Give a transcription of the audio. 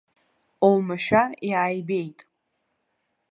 Оумашәа иааибеит.